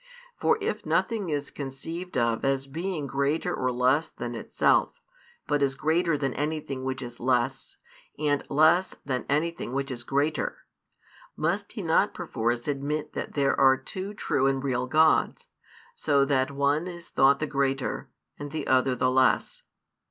For if nothing is conceived of as being greater or less than itself, but as greater than anything which is less, and less than anything which is greater, must he not perforce admit that there are two true and real Gods, so that one is thought the greater, and the other the less.